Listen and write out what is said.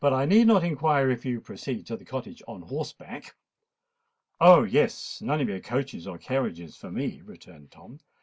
"I need not inquire if you proceed to the Cottage on horseback!" "Oh! yes—none of your coaches or carriages for me," returned Tom.